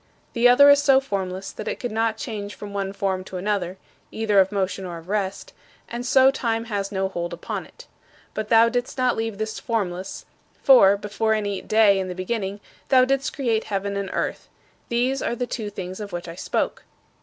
The other is so formless that it could not change from one form to another (either of motion or of rest), and so time has no hold upon it. But thou didst not leave this formless, for, before any "day" in the beginning, thou didst create heaven and earth these are the two things of which I spoke.